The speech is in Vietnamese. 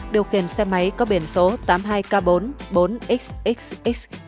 điều khiển xe máy có biển số tám mươi hai k bốn bốn xxx